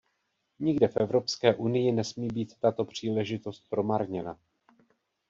Nikde v Evropské unii nesmí být tato příležitost promarněna.